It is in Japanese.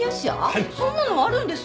そんなのあるんですか？